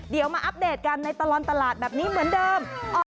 เดี๋ยวมาอัปเดตกันในตลอดตลาดแบบนี้เหมือนเดิม